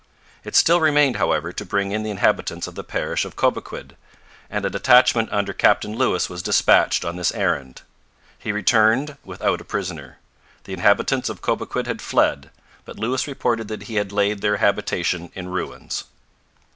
It still remained, however, to bring in the inhabitants of the parish of Cobequid, and a detachment under Captain Lewis was dispatched on this errand. He returned without a prisoner. The inhabitants of Cobequid had fled; but Lewis reported that he had laid their habitations in ruins.